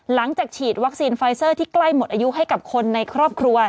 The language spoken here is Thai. หลังจากฉีดวัคซีนไฟเซอร์ที่ใกล้หมดอายุให้กับคนในครอบครัว